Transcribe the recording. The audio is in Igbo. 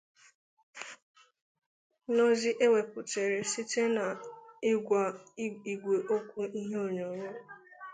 N’ozi o weputere site n’igwe okwu ịhe onyonyo